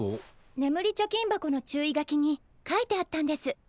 眠り貯金箱の注意書きに書いてあったんです。